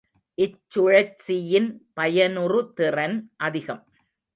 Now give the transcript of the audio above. இச்சுழற்சியின் பயனுறுதிறன் அதிகம்.